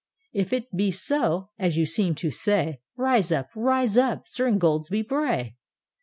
— If it be so, as you seem to say, Rise up, rise up, Sir Ingoldsby Bray!